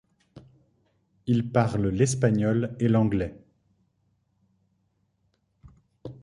Il parle l'espagnol et l'anglais.